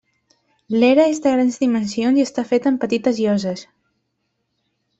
L'era és de grans dimensions i està feta amb petites lloses.